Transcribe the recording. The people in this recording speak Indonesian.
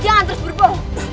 jangan terus berbohong